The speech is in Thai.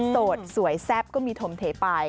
สวยแซ่บก็มีถมเทไป